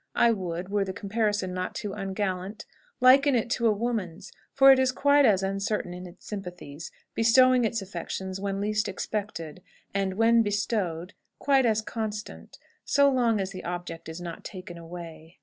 I would (were the comparison not too ungallant) liken it to a woman's, for it is quite as uncertain in its sympathies, bestowing its affections when least expected, and, when bestowed, quite as constant, so long as the object is not taken away.